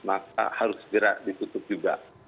maka harus segera ditutup juga